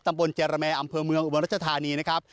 เจรแมอำเภอเมืองอุบลรัชธานีนะครับ